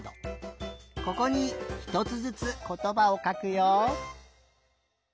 ここにひとつずつことばをかくよ。